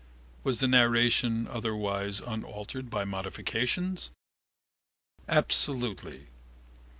Was the narration otherwise unaltered by modifications? Absolutely.